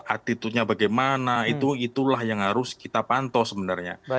attitudenya bagaimana itulah yang harus kita pantau sebenarnya